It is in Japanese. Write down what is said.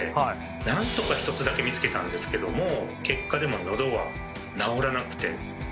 なんとか１つだけ見つけたんですけども結果でものどは治らなくて。